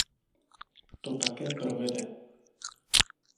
To také provede.